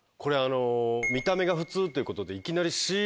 見た目が普通ってことで。